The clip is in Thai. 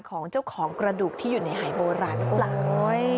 ของเจ้าของกระดูกที่อยู่ในหายโบราณ